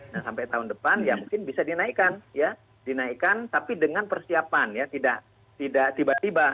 nah sampai tahun depan ya mungkin bisa dinaikkan ya dinaikkan tapi dengan persiapan ya tidak tiba tiba